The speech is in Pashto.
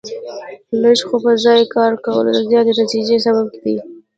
لږ خو په ځای کار کول د زیاتې نتیجې سبب دی.